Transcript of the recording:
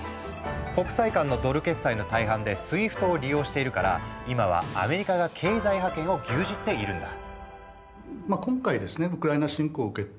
国際間のドル決済の大半で「ＳＷＩＦＴ」を利用しているから今はアメリカが経済覇権を牛耳っているんだ。